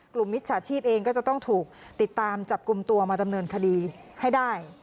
มิจฉาชีพเองก็จะต้องถูกติดตามจับกลุ่มตัวมาดำเนินคดีให้ได้